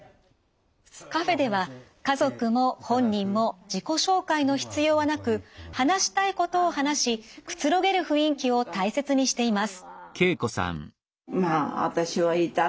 カフェでは家族も本人も自己紹介の必要はなく話したいことを話しくつろげる雰囲気を大切にしています。